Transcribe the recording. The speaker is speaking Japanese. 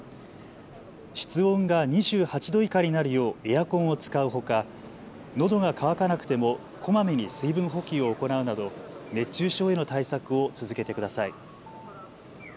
室温が２８度以下になるようエアコンを使うほかのどが渇かなくてもこまめに水分補給を行うなど熱中症への対策を続けてください。